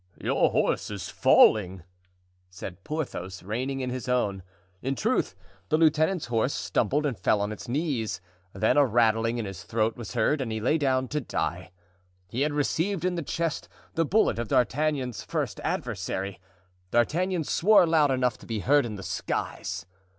"Your horse is falling," said Porthos, reining in his own. In truth, the lieutenant's horse stumbled and fell on his knees; then a rattling in his throat was heard and he lay down to die. He had received in the chest the bullet of D'Artagnan's first adversary. D'Artagnan swore loud enough to be heard in the skies.